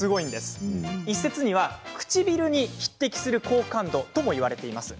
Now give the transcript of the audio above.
一説には、唇に匹敵する高感度とも言われています。